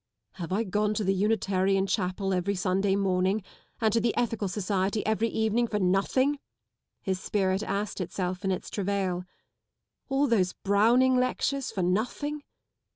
" Have I gone to the Unitarian chapel every Sunday morning and to the Ethical Society every evening for nothing? " his spirit asked itself in its travail. " All those Browning lectures for nothing